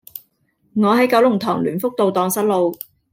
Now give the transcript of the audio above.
我喺九龍塘聯福道盪失路